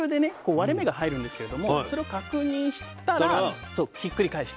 割れ目が入るんですけれどもそれを確認したらひっくり返して。